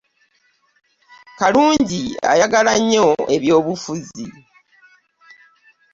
Kalungi ayagala nnyo ebyobufuzi.